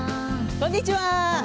こんにちは。